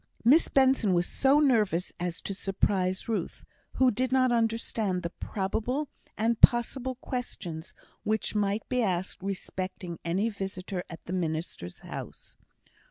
Miss Benson was so nervous as to surprise Ruth, who did not understand the probable and possible questions which might be asked respecting any visitor at the minister's house.